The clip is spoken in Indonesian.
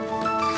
aku mau ke rumah